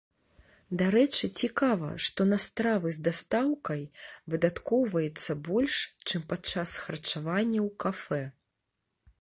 Дарэчы, цікава, што на стравы з дастаўкай выдаткоўваецца больш, чым падчас харчавання ў кафэ.